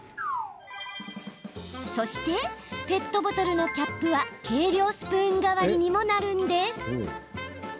そしてペットボトルのキャップは計量スプーン代わりにもなるんです。